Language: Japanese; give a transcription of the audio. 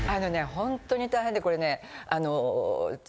ホントに大変でこれね。